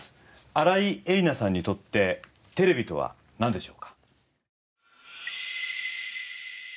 新井恵理那さんにとってテレビとはなんでしょうか？